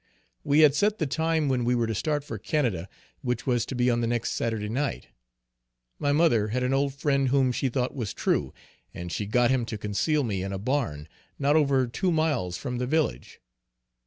We had set the time when we were to start for Canada, which was to be on the next Saturday night. My mother had an old friend whom she thought was true, and she got him to conceal me in a barn, not over two miles from the village.